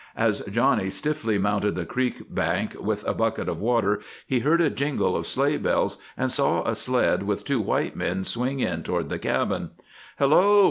As Johnny stiffly mounted the creek bank with a bucket of water he heard a jingle of sleigh bells and saw a sled with two white men swing in toward the cabin. "Hello!"